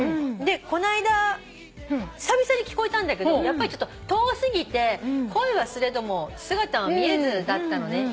こないだ久々に聞こえたんだけどやっぱりちょっと遠過ぎて声はすれども姿は見えずだったのね。